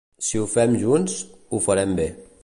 Si ho fem junts, ho farem bé.